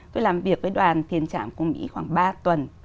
tôi làm việc với đoàn tiền trạm của mỹ khoảng ba tuần